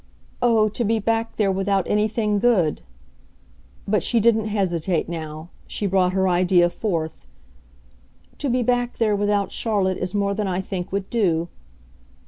"Oh, to be back there without anything good !" But she didn't hesitate now; she brought her idea forth. "To be back there without Charlotte is more than I think would do."